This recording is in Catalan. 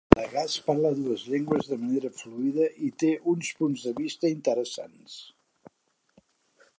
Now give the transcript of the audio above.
Lagasse parla dues llengües de manera fluida i té uns punts de vista interessants.